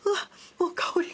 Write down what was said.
もう香りが。